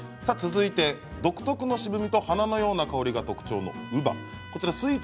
続いて独特の渋みと花のような香りが特徴のウバです。